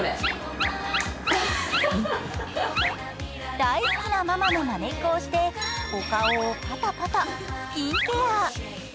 大好きなママのまねっこをしてお顔をパタパタ、スキンケア。